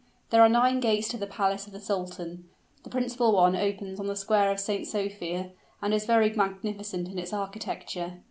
There are nine gates to the palace of the sultan. The principal one opens on the square of St. Sophia, and is very magnificent in its architecture.